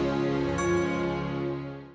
udah beduk be